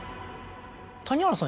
谷原さん